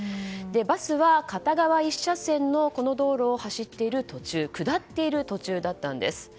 バスは片側１車線のこの道路を走っている下っている途中だったんです。